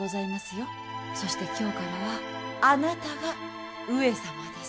そして今日からはあなたが上様です。